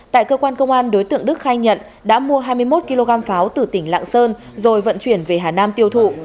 tại cơ quan công an đối tượng đức khai nhận đã mua hai mươi một kg pháo từ tỉnh lạng sơn rồi vận chuyển về hà nam tiêu thụ